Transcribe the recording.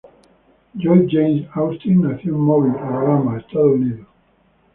Lloyd James Austin nació en Mobile, Alabama, Estados Unidos.